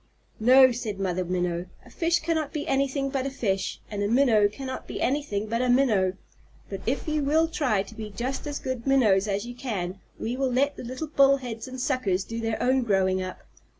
"No," said Mother Minnow. "A fish cannot be anything but a fish, and a Minnow cannot be anything but a Minnow. So if you will try to be just as good Minnows as you can, we will let the little Bullheads and Suckers do their own growing up."